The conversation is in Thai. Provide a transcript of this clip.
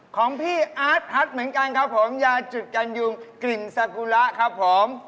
ของพี่อาร์ตฮัทเหมือนกันครับผมยาจุดกันยุงกลิ่นสากุระครับผม